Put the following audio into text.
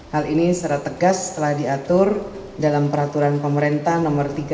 hal ini secara tegas telah diatur dalam peraturan pemerintah no tiga puluh